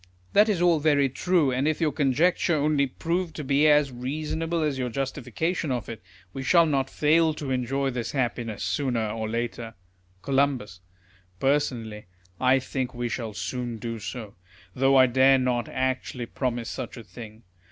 That is all very true ; and if your conjecture only prove to be as reasonable as your justification of it, we shall not fail to enjoy this happiness sooner or later. Col. Personally, I think we shall soon do so ; though I dare not actually promise such a thing.